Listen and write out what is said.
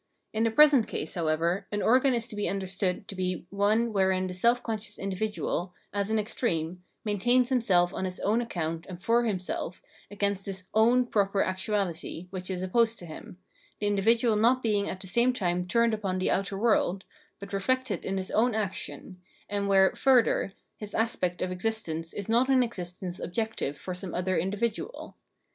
In the present case, however, an organ is to be rmder stood to be one wherein the self conscious individual, as an extreme, maintains himself on his own account and for himself against his own proper actuahty which is opposed to him, the individual not being at the same time turned upon the outer world, but reflected in his own action, and where, further, his aspect of existence is not an existence objective for some other individual.